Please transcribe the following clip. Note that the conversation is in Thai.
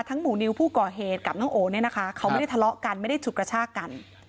หมู่นิวผู้ก่อเหตุกับน้องโอเนี่ยนะคะเขาไม่ได้ทะเลาะกันไม่ได้ฉุดกระชากกัน